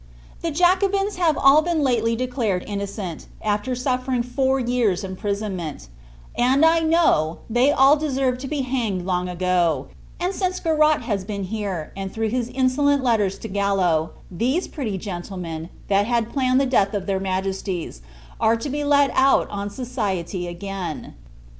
The Jacobins have all been lately declared innocent, after suffering four years imprisonment; and, I know, they all deserved to be hanged long ago: and, since Garrat has been here, and through his insolent letters to Gallo, these pretty gentlemen, that had planned the death of their Majesties, are to be let out on society again.